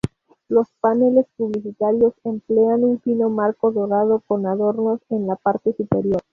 Los paneles publicitarios emplean un fino marco dorado con adornos en la parte superior.